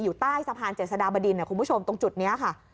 อยู่ใต้สะพานเจษฎาบดินคุณผู้ชมตรงจุดนี้ค่ะ